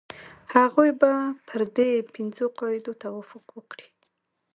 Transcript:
هغوی به پر دې پنځو قاعدو توافق وکړي.